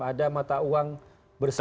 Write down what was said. ada mata uang bersama